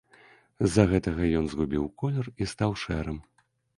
З-за гэтага ён згубіў колер і стаў шэрым.